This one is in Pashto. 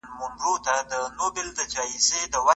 ځینې ښځي چې کیڼ لاسي دي، وروسته بلاربښټ ته میلان ښيي.